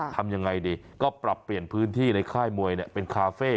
ทำยังไงดีก็ปรับเปลี่ยนพื้นที่ในค่ายมวยเป็นคาเฟ่